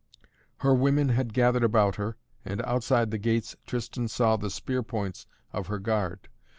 Her women had gathered about her and outside the gates Tristan saw the spear points of her guard.